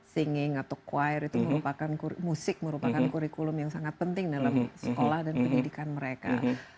singing atau choir itu merupakan musik merupakan kurikulum yang sangat penting dalam sekolah dan pendidikan mereka